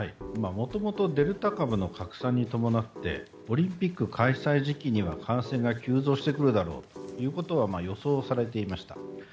もともとデルタ株の拡散に伴ってオリンピック開催時期には感染が急増してくるだろうということは予想されていました。